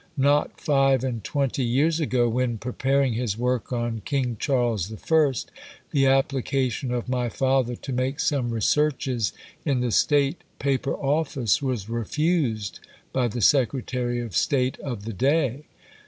Not five and twenty years ago, when preparing his work on King Charles the First, the application of my father to make some researches in the State Paper Office was refused by the Secretary of State of the day.